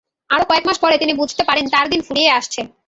আরও কয়েক মাস পরে তিনি বুঝতে পারেন, তাঁর দিন ফুরিয়ে আসছে।